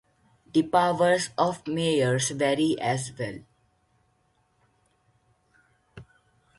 The powers of mayors vary as well.